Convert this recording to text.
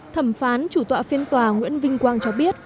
thẩm phán chủ tọa phiên tòa nguyễn vinh quang cho biết